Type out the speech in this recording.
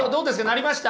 なりました？